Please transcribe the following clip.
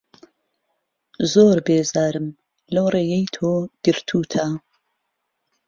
زۆر بێزارم لهو رێیهی تۆ گرتووته